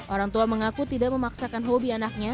orang tua mengaku tidak memaksakan hobi anaknya